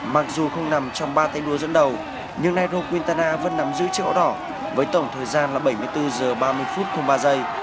mặc dù không nằm trong ba tay đua dẫn đầu nhưng nairo quintana vẫn nằm giữ chiếc áo đỏ với tổng thời gian là bảy mươi bốn h ba mươi m ba s